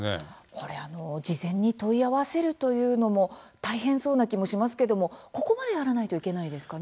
これ事前に問い合わせるというのも大変そうな気もしますけども、ここまでやらないといけないですかね？